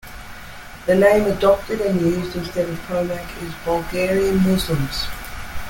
The name adopted and used instead of Pomak is "Bulgarian Muslims".